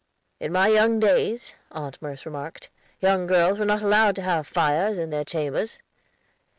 "In my young days," Aunt Merce remarked, "young girls were not allowed to have fires in their chambers."